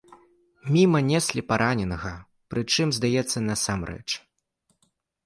Міма неслі параненага, прычым, здаецца, насамрэч.